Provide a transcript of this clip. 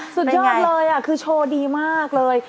สุดยอดเลยคือโชว์ดีมากเลย